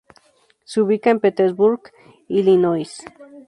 Se ubica en Petersburg, Illinois.